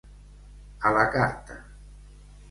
A la carta.